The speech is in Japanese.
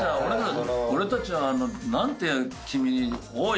俺たちは何て君に。